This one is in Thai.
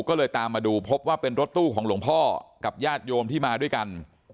ก็เลยตามมาดูพบว่าเป็นรถตู้ของหลวงพ่อกับญาติโยมที่มาด้วยกัน